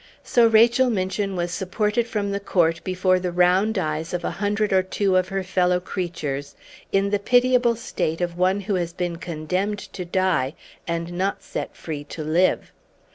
So Rachel Minchin was supported from the court before the round eyes of a hundred or two of her fellow creatures, in the pitiable state of one who has been condemned to die, and not set free to live.